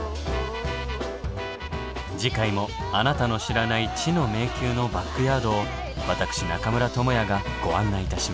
次回もあなたの知らない知の迷宮のバックヤードを私中村倫也がご案内いたします。